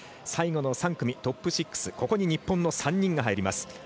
最後の３組、トップ６ここに日本の３人が入ります。